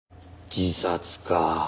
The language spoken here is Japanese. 自殺か。